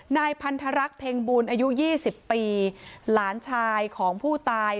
นายพันธรรรคเพ็งบูลอายุยี่สิบปีหลานชายของผู้ตาย